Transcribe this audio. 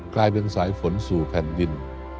กลายเป็นสายฝนสู่แผ่นดิน